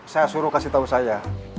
saya suruh kasih tahu saya